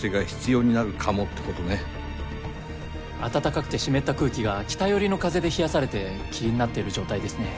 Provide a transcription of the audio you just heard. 暖かくて湿った空気が北寄りの風で冷やされて霧になっている状態ですね。